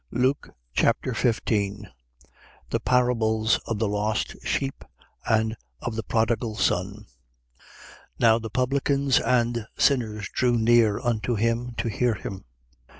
Luke Chapter 15 The parables of the lost sheep and of the prodigal son. 15:1. Now the publicans and sinners drew near unto him to hear him.